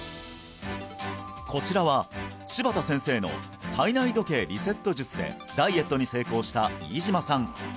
こちらは柴田先生の体内時計リセット術でダイエットに成功した飯島さん